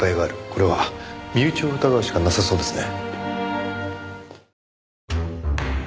これは身内を疑うしかなさそうですね。